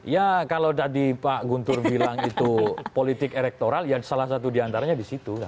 ya kalau tadi pak guntur bilang itu politik elektoral ya salah satu diantaranya di situ